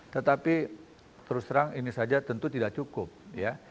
tetapi terus terang ini saja tentu tidak cukup ya